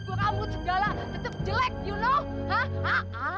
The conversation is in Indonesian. kamu duluan aja gapapa